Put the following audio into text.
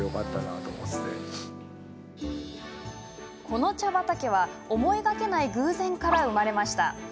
この茶畑は、思いがけない偶然から生まれました。